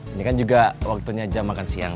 ini kan juga waktunya jam makan siang